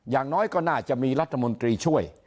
อย่างน้อยก็น่าจะมีรัฐมนตรีช่วย